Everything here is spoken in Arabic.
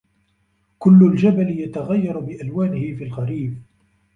كل الجبل يتغير بألوانه في الخريف.